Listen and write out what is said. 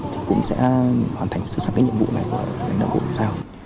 thì cũng sẽ hoàn thành sự sẵn cái nhiệm vụ này của đồng bộ xã hội